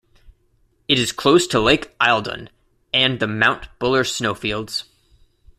It is close to Lake Eildon and the Mount Buller snowfields.